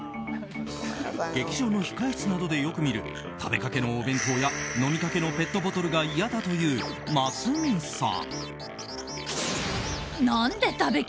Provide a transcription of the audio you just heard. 劇場の控室などでよく見る食べかけのお弁当や飲みかけのペットボトルが嫌だというますみさん。